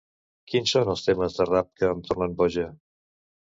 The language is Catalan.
Quins són els temes de rap que em tornen boja?